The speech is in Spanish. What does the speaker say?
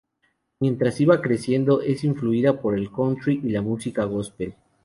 Mientras iba creciendo, es influida por el country y la música gospel.